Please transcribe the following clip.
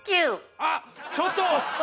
あっちょっと！